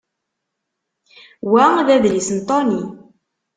Wa d adlis n Tony.